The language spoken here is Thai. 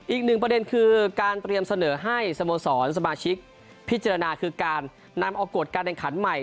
อีกหนึ่งประเด็นคือการเตรียมเสนอให้สโมสรสมาชิกพิจารณาคือการนำออกกฎการแข่งขันใหม่